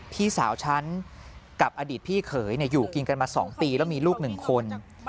พี่สาวฉันกับอดีตพี่เขยอยู่กินกันมา๒ปีแล้วมีลูก๑คน